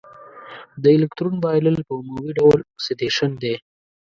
د الکترون بایلل په عمومي ډول اکسیدیشن دی.